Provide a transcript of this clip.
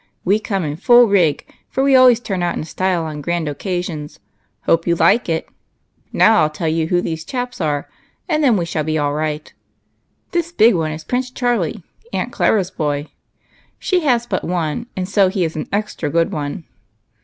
"We came in full rig, for we always turn out in style on grand occasions. Hope you like it. Now I '11 tell you who these chaps are, and then we shall be all right. This big one is Prince Charlie, Aunt Clara's boy. She has but one, so he is an extra good one.